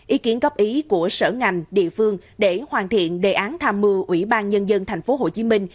ý kiến góp ý của sở ngành địa phương để hoàn thiện đề án tham mưu ủy ban nhân dân thành phố hồ chí minh